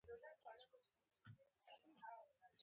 بل دښمن ته يو داسې غاښ ماتونکى ځواب ورکړل.